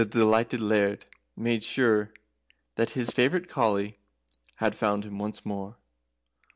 The delighted Laird made sure that his favourite collie had found him once more.